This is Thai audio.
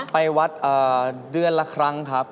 ไปวัดเดือนละครั้งครับ